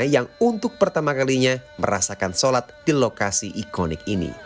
yang untuk pertama kalinya merasakan sholat di lokasi ikonik ini